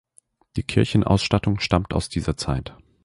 Die Kirchenausstattung stammt aus dieser Zeit.